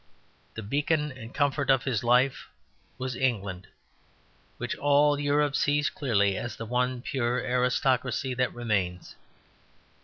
The beacon and comfort of his life was England, which all Europe sees clearly as the one pure aristocracy that remains.